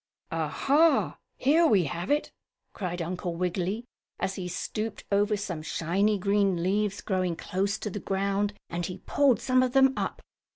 "Ah, ha! Here we have it!" cried Uncle Wiggily, as he stooped over some shiny green leaves, growing close to the ground, and he pulled some of them up.